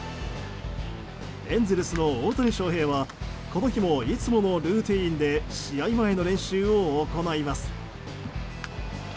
エンゼルスの大谷翔平はこの日もいつものルーティンで試合前の練習を行います。